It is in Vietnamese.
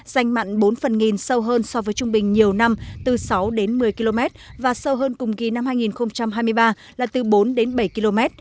dành mặn bốn phần nghìn sâu hơn so với trung bình nhiều năm từ sáu đến một mươi km và sâu hơn cùng kỳ năm hai nghìn hai mươi ba là từ bốn đến bảy km